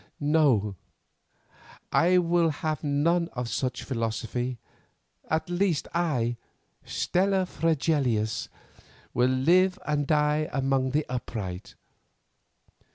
"No; I will have none of such philosophy; at least I, Stella Fregelius, will live and die among the upright.